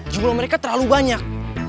jumlah mereka terlalu banyak